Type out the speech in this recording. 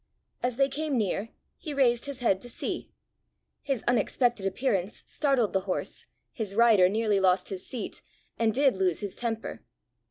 As they came near, he raised his head to see. His unexpected appearance startled the horse, his rider nearly lost his seat, and did lose his temper.